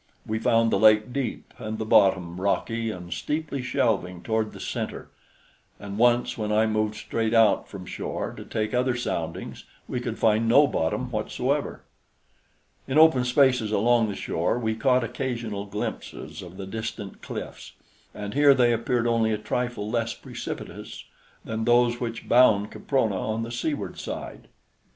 We found the lake deep and the bottom rocky and steeply shelving toward the center, and once when I moved straight out from shore to take other soundings we could find no bottom whatsoever. In open spaces along the shore we caught occasional glimpses of the distant cliffs, and here they appeared only a trifle less precipitous than those which bound Caprona on the seaward side.